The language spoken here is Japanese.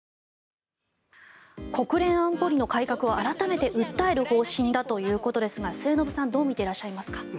国連安保理の改革を改めて訴える方針だということですが末延さんどう見てらっしゃいますか？